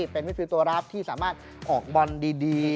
เป็นนี่คือตัวรับที่สามารถออกบอลดี